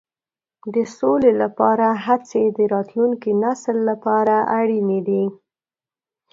د سولې لپاره هڅې د راتلونکي نسل لپاره اړینې دي.